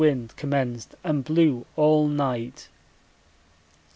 wind commenced and blew all night.